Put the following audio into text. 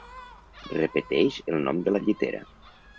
Repeteix el nom de la llitera.